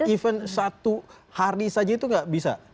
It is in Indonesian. even satu hari saja itu nggak bisa